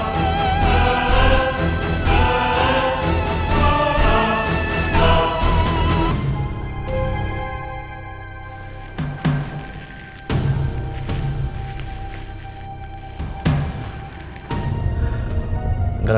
kenapa ini di rumah fera